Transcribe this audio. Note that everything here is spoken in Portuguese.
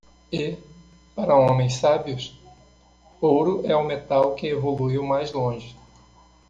E? para homens sábios? ouro é o metal que evoluiu mais longe.